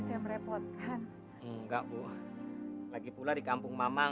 ini merepotkan enggak bu lagi pula di kampung mamang